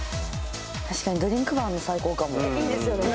確かにドリンクバーあんの最高かもいいですよね